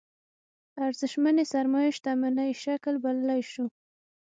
ارزشمنې سرمايې شتمنۍ شکل بللی شو.